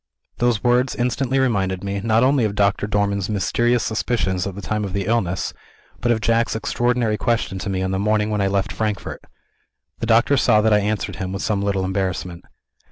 Those words instantly reminded me, not only of Doctor Dormann's mysterious suspicions at the time of the illness, but of Jack's extraordinary question to me, on the morning when I left Frankfort. The doctor saw that I answered him with some little embarrassment.